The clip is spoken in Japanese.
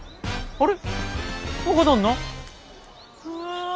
あれ？